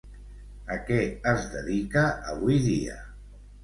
A què es dedica avui dia?